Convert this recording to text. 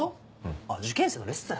あっ受験生のレッスン？